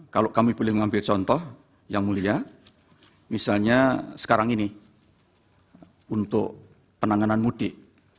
kalau kami boleh mengambil contoh yang mulia misalnya sekarang ini untuk penanganan mudik